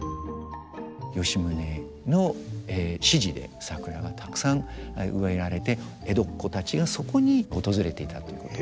吉宗の指示で桜がたくさん植えられて江戸っ子たちがそこに訪れていたということが。